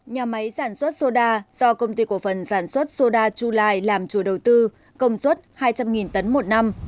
nhà máy sản xuất soda do công ty cổ phần sản xuất soda chulai làm chủ đầu tư công suất hai trăm linh tấn một năm